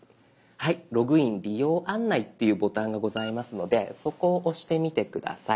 「ログイン・利用案内」っていうボタンがございますのでそこを押してみて下さい。